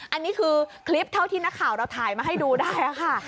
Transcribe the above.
อันนี้คือคลิปเท่าที่นักข่าวเราถ่ายมาให้ดูได้ค่ะ